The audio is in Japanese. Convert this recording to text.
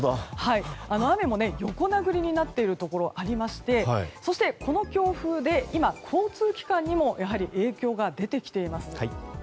雨も横殴りになっているところありましてそして、この強風で今、交通機関にもやはり影響が出てきています。